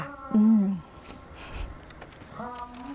อืม